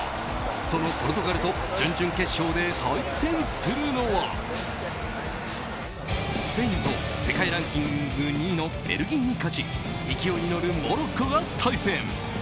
そのポルトガルと準々決勝で対戦するのはスペインと世界ランク２位のベルギーに勝ち勢いに乗るモロッコが対戦。